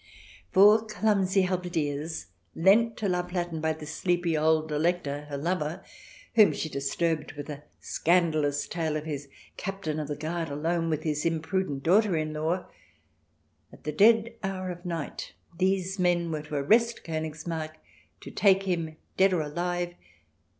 Four clumsy halberdiers, lent to La Platen by the sleepy old Elector, her lover, whom she disturbed with a scandalous tale of his Captain of the Guard, alone with his imprudent daughter in law at the dead hour of night. ... These men were to arrest Konigsmarck, to take him dead or alive.